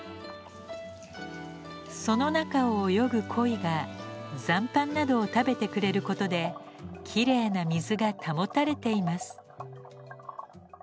その中を泳ぐコイが残飯などを食べてくれることできれいな水が保たれています。